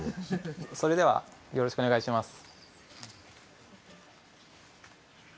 それではよろしくお願いします。